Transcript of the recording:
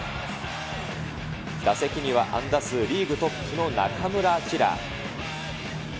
打席には安打数リーグトップの中村晃。